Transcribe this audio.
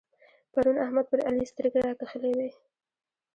پرون احمد پر علي سترګې راکښلې وې.